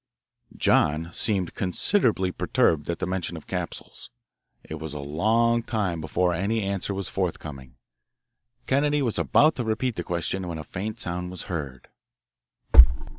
"John" seemed considerably perturbed at the mention of capsules. It was a long time before any answer was forthcoming. Kennedy was about to repeat the question when a faint sound was heard.